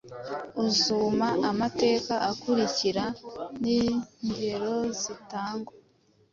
uzuma amateka akurikira ningerozitangwa